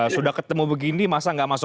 sudah ketemu begini masa nggak masuk